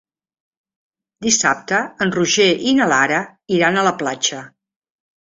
Dissabte en Roger i na Lara iran a la platja.